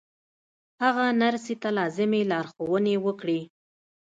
هغه نرسې ته لازمې لارښوونې وکړې